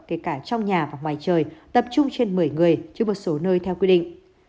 kể cả trong nhà và ngoài trời tập trung trên một mươi người chứ một số nơi theo quy định